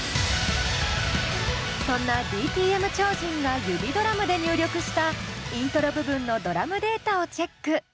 そんなＤＴＭ超人が指ドラムで入力したイントロ部分のドラムデータをチェック。